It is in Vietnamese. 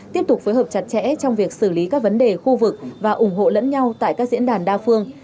tiếp tục phối hợp chặt chẽ trong việc xử lý các vấn đề khu vực và ủng hộ lẫn nhau tại các diễn đàn đa phương